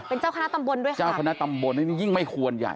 เป็นเจ้าคณะตำบลด้วยค่ะเจ้าคณะตำบลนี่ยิ่งไม่ควรใหญ่